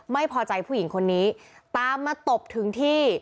ไม่พอใจผู้หญิงคนนี้ตามมาตบถึงที่